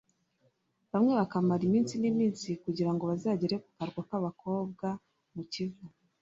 bamwe bakamara iminsi n’iminsi kugira ngo bazagere ku Karwa k’Abakobwa mu Kivu